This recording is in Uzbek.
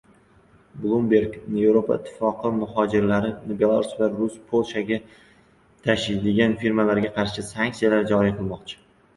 Bloomberg: Yevropa Ittifoqi muhojirlarni Belarus va Polshaga tashiydigan firmalarga qarshi sanksiyalar joriy qilmoqchi